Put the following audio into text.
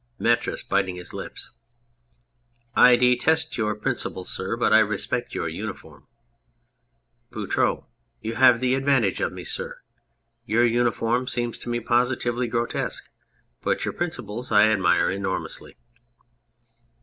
METRIS (biting his lips}. I detest your principles, sir, but I respect your uniform. BOUTROUX. You have the advantage of me, sir. Your uniform seems to me positively grotesque. But your principles I admire enormously.